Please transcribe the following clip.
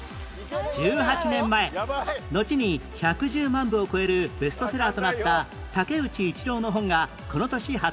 １８年前のちに１１０万部を超えるベストセラーとなった竹内一郎の本がこの年発売